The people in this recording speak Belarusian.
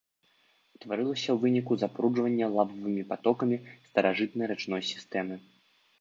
Утварылася ў выніку запруджвання лававымі патокамі старажытнай рачной сістэмы.